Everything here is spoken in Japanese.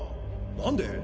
何で？